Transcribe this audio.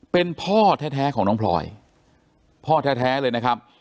เป็นพ่อแท้ของน้องพลอยพ่อแท้เลยนะครับ